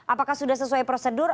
apakah sudah sesuai prosedur